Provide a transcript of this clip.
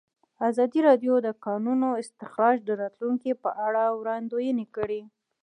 ازادي راډیو د د کانونو استخراج د راتلونکې په اړه وړاندوینې کړې.